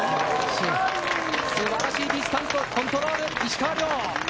素晴らしいディスタンスとコントロール、石川遼。